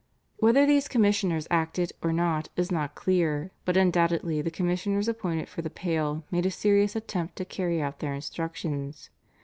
Whether these commissioners acted or not is not clear, but undoubtedly the commissioners appointed for the Pale made a serious attempt to carry out their instructions.